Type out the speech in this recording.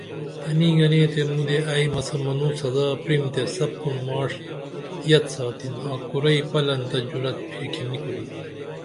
تنی گنے تے مودے ائی مسہ منو سزا پریم تے سپُن ماش یت ساتِن آن کُرئی پلن تہ جرت پھرکی نی کُرین